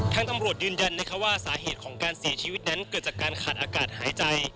ทางตำรวจยืนยันว่าสาเหตุของการเสียชีวิตนั้นเกิดจากการขาดอากาศหายใจ